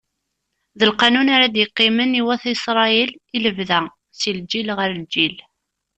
D lqanun ara d-iqqimen i wat Isṛayil, i lebda, si lǧil ɣer lǧil.